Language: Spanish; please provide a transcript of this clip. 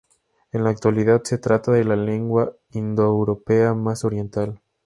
En la actualidad, se trata de la lengua indoeuropea más oriental.